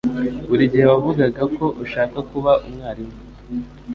Buri gihe wavugaga ko ushaka kuba umwarimu.